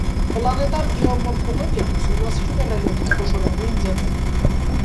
Պլանետար գեոմորֆոլոգիան ուսումնասիրում է ռելիեֆի խոշորագույն ձևերը։